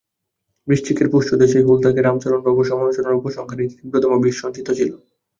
বৃশ্চিকের পুচ্ছদেশেই হুল থাকে, বামাচরণবাবুর সমালোচনার উপসংহারেই তীব্রতম বিষ সঞ্চিত ছিল।